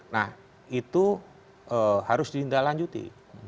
nah itu harus dilintaslanjuti